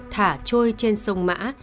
thả trôi trên sông mã